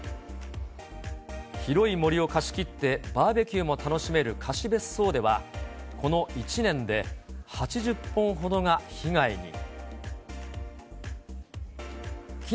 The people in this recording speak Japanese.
広い森を貸し切って、バーベキューも楽しめる貸別荘では、この１年で８０本ほどが被害に。